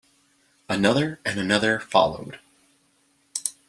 Another and another followed.